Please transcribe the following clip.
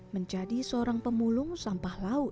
menjadi seorang pemulung sampah laut